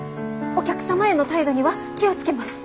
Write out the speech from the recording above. お客様への態度には気を付けます。